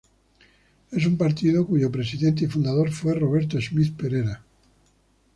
Es un partido cuyo presidente y fundador fue Roberto Smith Perera.